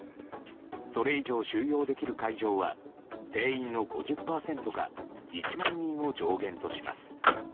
それ以上収容できる会場は定員の５０％か１万人を上限とします。